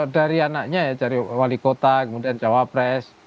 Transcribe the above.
dari anaknya ya dari wali kota kemudian cawapres